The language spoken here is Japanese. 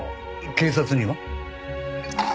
警察には？